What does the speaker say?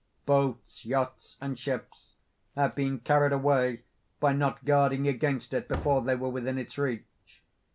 Boats, yachts, and ships have been carried away by not guarding against it before they were within its reach.